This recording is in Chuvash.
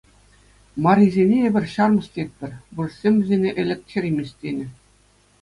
Марисене эпир ҫармӑс тетпӗр, вырӑссем вӗсене ӗлӗк черемис тенӗ.